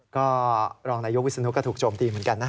ก็รองนายกวิศนุก็ถูกโจมตีเหมือนกันนะ